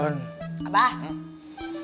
neng masih belum ngijin apa